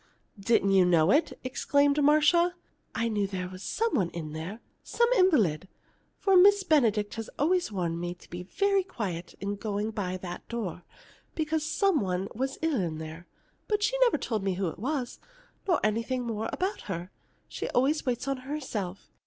Didn't you know it?" exclaimed Marcia. "I knew there was some one in there some invalid. For Miss Benedict has always warned me to be very quiet in going by that door, because some one was ill in there. But she never told me who it was, nor anything more about her. She always waits on her herself.